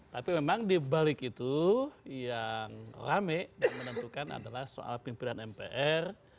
tapi memang dibalik itu yang rame dan menentukan adalah soal pimpinan mpr